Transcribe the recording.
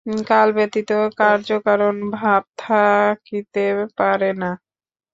কাল ব্যতীত কার্যকারণ-ভাব থাকিতে পারে না।